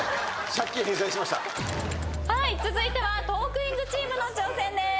続いてはトークィーンズチームの挑戦です。